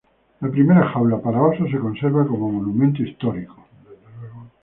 La primera jaula para osos se conserva como monumento histórico.